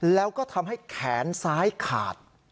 แล้วก็ทำให้แขนซ้ายขาด